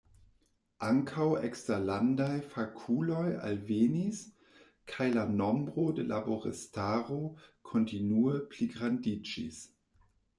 Ankaŭ eksterlandaj fakuloj alvenis, kaj la nombro de laboristaro kontinue pligrandiĝis.